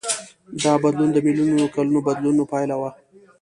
دا بدلون د میلیونونو کلونو بدلونونو پایله وه.